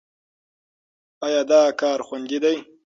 ایا دا کار خوندي دی؟